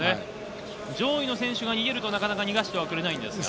上位の選手が逃げるとなかなか逃がしてくれないんです。